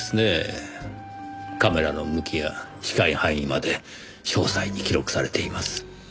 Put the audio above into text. カメラの向きや視界範囲まで詳細に記録されています。